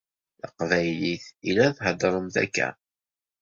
D taqbaylit i la heddeṛent akka?